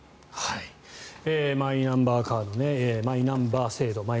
マイナンバーカードマイナンバー制度